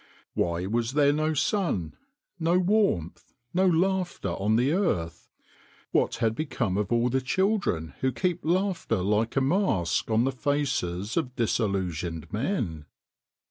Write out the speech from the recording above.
Why was there no sun, no warmth, no laughter on the earth ? What had become of all the children who keep laughter like a mask on the faces of disillusioned men